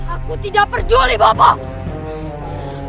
aku tidak peduli bapak